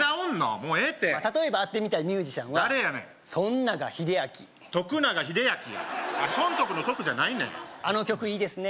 もうええって例えば会ってみたいミュージシャンは誰やねん損永英明徳永英明や損得の得じゃないねんあの曲いいですね